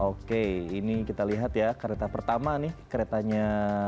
oke ini kita lihat ya kereta pertama nih keretanya